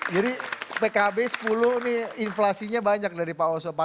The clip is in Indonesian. jadi pkb sepuluh ini inflasinya banyak dari pak oso empat puluh